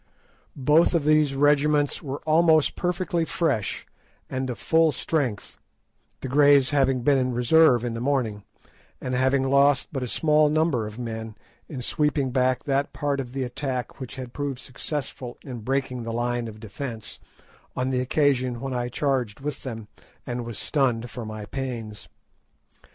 Both of these regiments were almost perfectly fresh, and of full strength, the Greys having been in reserve in the morning, and having lost but a small number of men in sweeping back that part of the attack which had proved successful in breaking the line of defence, on the occasion when I charged with them and was stunned for my pains.